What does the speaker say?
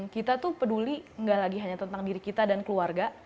kita tuh peduli gak lagi hanya tentang diri kita dan keluarga